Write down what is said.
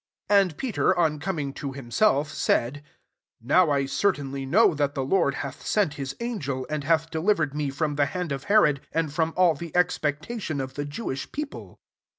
1 1 And Peter, on coming to himself, said, <' Now I certain ly know that the Lord hath sent his angel, and hath delivered me from the hand of Herod, and from all the expectation of the Jewish people."